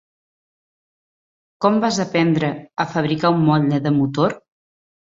Com vas aprendre a fabricar un motlle de motor?